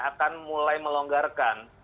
akan mulai melonggarkan